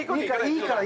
いいから！